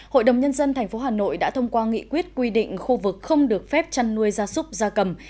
hội đồng nhân dân tp hà nội đã thông qua nghị quyết quy định khu vực không được phép chăn nuôi gia súc gia cầm